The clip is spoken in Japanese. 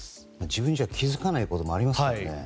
自分じゃ気づかないこともありますからね。